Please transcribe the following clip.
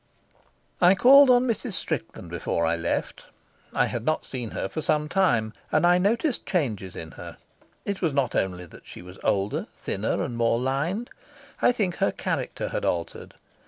I called on Mrs. Strickland before I left. I had not seen her for some time, and I noticed changes in her; it was not only that she was older, thinner, and more lined; I think her character had altered.